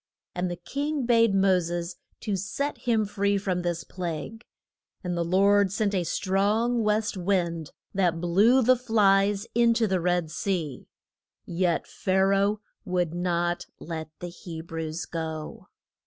And the king bade Mo ses to set him free from this plague. And the Lord sent a strong west wind, that blew the flies in to the Red Sea. Yet Pha ra oh would not let the He brews go.